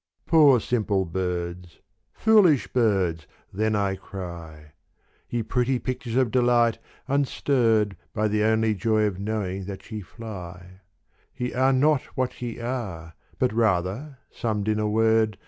Poor simple birds, foolish birds, then I cry, Ye pretty pictures of delight, unstirred By the only joy of knowing that ye fly : Ye are not what ye are, but rather, summed in a word.